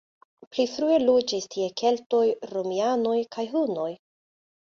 Pli frue loĝis tie keltoj, romianoj kaj hunoj.